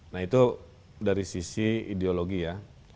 nah itu dari sisi ideologi ya